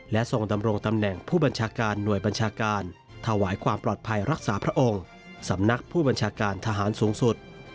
และทรงดำรงตำแหน่งผู้บัญชาการหน่วยบัญชาการถวายความปลอดภัยรักษาพระองค์สำนักผู้บัญชาการทหารสูงสุด